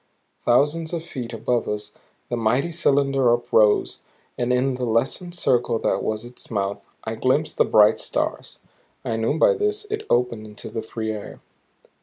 Thousands of feet above us the mighty cylinder uprose, and in the lessened circle that was its mouth I glimpsed the bright stars; and knew by this it opened into the free air.